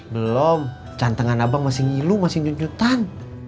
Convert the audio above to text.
belom jantengan abang masih ngilu masih nyunyutan